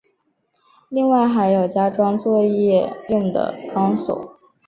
另外还有加装作业用的钢索。